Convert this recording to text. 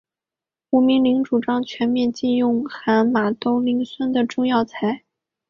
吴明铃主张全面禁用含马兜铃酸的中药材。